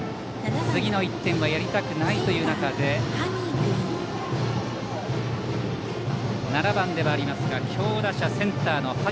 次の１点はやりたくないという中で打席は７番ですが、強打者センターの萩。